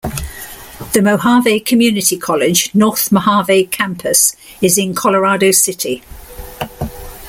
The Mohave Community College North Mohave Campus is in Colorado City.